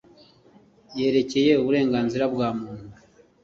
yerekeye uburenganzira bwa Muntu